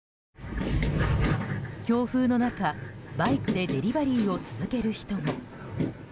強風の中、バイクでデリバリーを続ける人も。